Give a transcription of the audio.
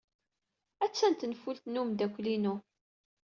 Attan tenfult n umeddakel-inu.